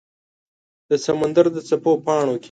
د سمندردڅپو پاڼو کې